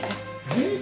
・えっ？